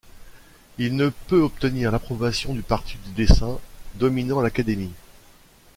Il ne peut obtenir l'approbation du parti du dessin, dominant l'Académie.